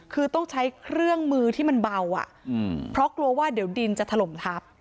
คือต้องใช้เครื่องมือที่มันเบาอ่ะเพราะกลัวว่าเดี๋ยวดินจะถล่มทับ